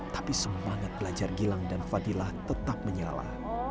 tapi semangat belajar gilang dan fadilah tetap menyala